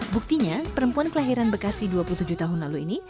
buktinya perempuan kelahiran bekasi dua puluh tujuh tahun lalu ini